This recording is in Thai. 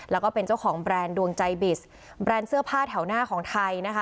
แล้วก็เป็นเจ้าของแบรนด์ดวงใจบิสแบรนด์เสื้อผ้าแถวหน้าของไทยนะคะ